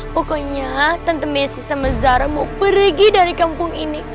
pokoknya tante messi sama zaramu pergi dari kampung ini